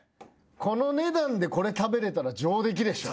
この値段でこれ食べれたら上出来でしょ。